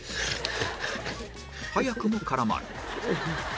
早くも絡まる